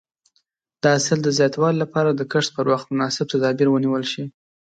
د حاصل د زیاتوالي لپاره د کښت پر وخت مناسب تدابیر ونیول شي.